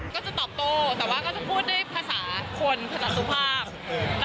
ก็จะตอบโตแต่ว่าก็จะพูดด้วยภาษาคนภาษาทุกภาพแต่ว่าถ้าไม่ได้รุนแรงมากก็เฉยเปิดปล่อย